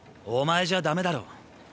お前じゃダメだろ。